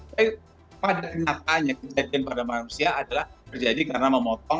tapi pada kenyataannya kejadian pada manusia adalah terjadi karena memotong